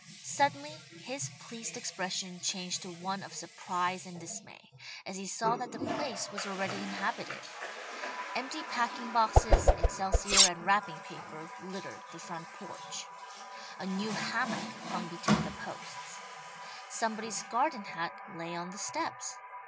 Suddenly his pleased expression changed to one of surprise and dismay, as he saw that the place was already inhabited. Empty packing boxes, excelsior and wrapping paper littered the front porch. A new hammock hung between the posts. Somebody's garden hat lay on the steps.